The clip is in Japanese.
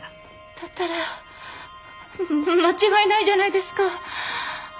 だったら間違いないじゃないですか。